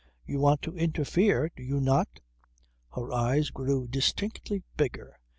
You want to interfere do you not?" Her eyes grew distinctly bigger.